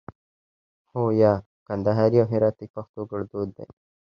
هو 👍 یا 👎 کندهاري او هراتي پښتو کړدود دی